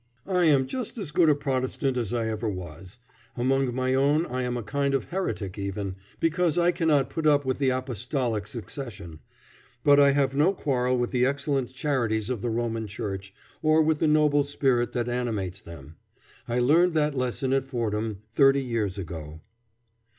I am just as good a Protestant as I ever was. Among my own I am a kind of heretic even, because I cannot put up with the apostolic succession; but I have no quarrel with the excellent charities of the Roman Church, or with the noble spirit that animates them. I learned that lesson at Fordham thirty years ago.